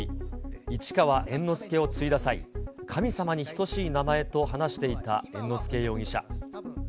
市川猿之助を継いだ際、神様に等しい名前と話していた猿之助容疑者。